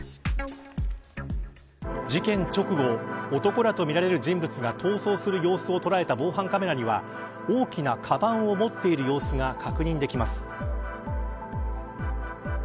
事件直後、男らとみられる人物が逃走する様子を捉えた防犯カメラには、大きなかばんを持っている様子が確認できます。